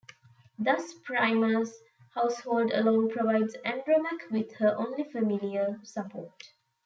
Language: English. Thus Priam's household alone provides Andromache with her only familial support.